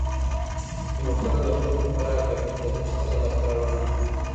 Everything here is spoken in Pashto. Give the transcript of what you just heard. حکومتونه د خلګو په رايه ټاکل کېدل ستره لاسته راوړنه ده.